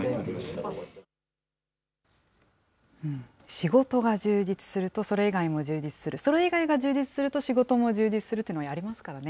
仕事が充実すると、それ以外も充実する、それ以外が充実すると、仕事も充実するというのはありますからね。